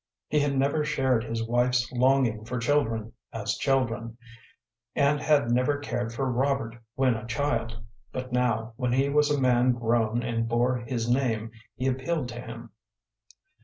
He had never shared his wife's longing for children as children, and had never cared for Robert when a child; but now, when he was a man grown and bore his name, he appealed to him.